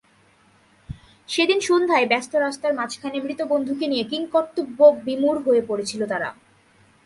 সেদিন সন্ধ্যায় ব্যস্ত রাস্তার মাঝখানে মৃত বন্ধুকে নিয়ে কিংকর্তব্যবিমূঢ় হয়ে পড়েছিল তারা।